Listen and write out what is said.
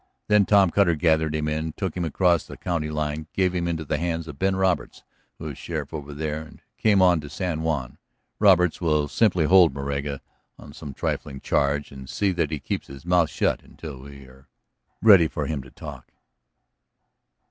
Then Tom Cutter gathered him in, took him across the county line, gave him into the hands of Ben Roberts who is sheriff over there, and came on to San Juan. Roberts will simply hold Moraga on some trifling charge, and see that he keeps his mouth shut until we are ready for him to talk."